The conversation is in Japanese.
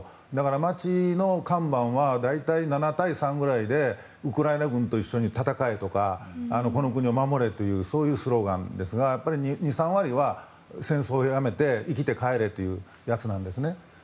街の看板は大体７対３くらいでウクライナ軍と一緒に戦えとか、この国を守れというスローガンですが２３割は戦争をやめて生きて帰れというやつなんですね。